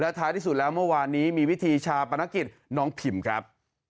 ท้ายที่สุดแล้วเมื่อวานนี้มีวิธีชาปนกิจน้องพิมครับ